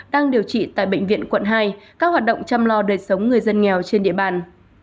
đang điều trị tại bệnh viện quận hai các hoạt động chăm lo đời sống người dân nghèo trên địa bàn